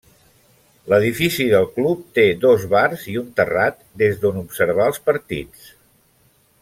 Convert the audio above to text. L'edifici del club té dos bars i un terrat des d'on observar els partits.